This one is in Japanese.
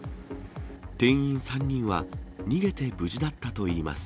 店員３人は逃げて無事だったといいます。